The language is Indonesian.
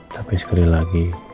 tapi sekali lagi